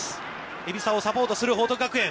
海老澤をサポートする報徳学園。